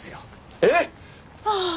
えっ？ああ。